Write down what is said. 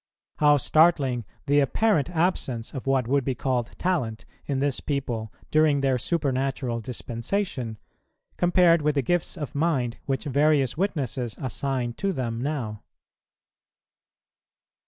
How startling the apparent absence of what would be called talent in this people during their supernatural Dispensation, compared with the gifts of mind which various witnesses assign to them now!